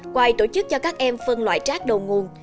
ngoài tổ chức cho các em phân loại rác đầu nguồn